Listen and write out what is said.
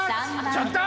ちょっと！